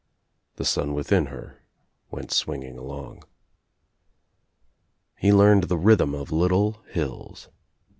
The son within her went swing ing along. He leamtd the rhythm of little hills.